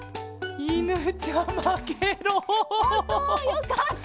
よかった。